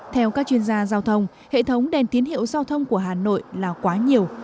theo các chuyên gia giao thông hệ thống đèn tín hiệu giao thông của hà nội là quá nhiều